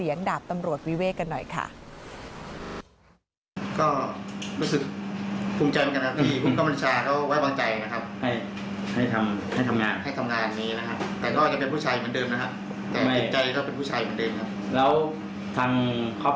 ลูกก็ดูเฟสมาตรกับพ่อมีไลน์ไล่มาเป็นแสนแล้วพ่อ